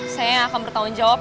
saya yang akan bertanggung jawab